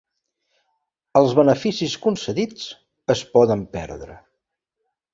Els beneficis concedits es poden perdre.